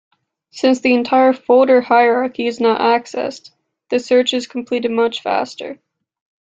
Since the entire folder hierarchy is not accessed, the search is completed much faster.